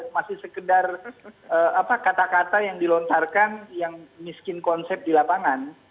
masih sekedar kata kata yang dilontarkan yang miskin konsep di lapangan